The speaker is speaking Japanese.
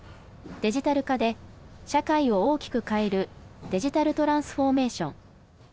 デジタル化で、社会を大きく変えるデジタルトランスフォーメーション。